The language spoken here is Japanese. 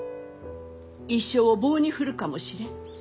一生を棒に振るかもしれん。